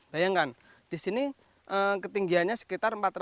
bayangkan di sini ketinggiannya sekitar seratus hektare